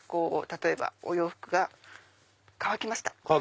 例えばお洋服が乾きました。